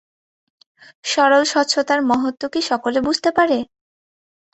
সরল স্বচ্ছতার মহত্ত্ব কি সকলে বুঝতে পারে?